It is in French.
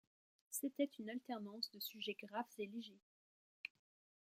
C'était une alternance de sujets graves et légers.